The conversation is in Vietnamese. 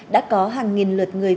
đã có hàng nghìn lượt người